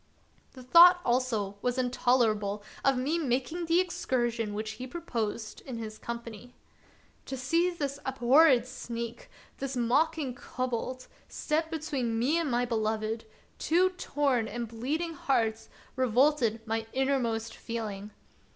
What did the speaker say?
The thought also was intolerable to me of making the excursion which he proposed in his company. To see this abhorred sneak, this mocking kobold, step between me and my beloved, two torn and bleeding hearts, revolted my innermost feeling.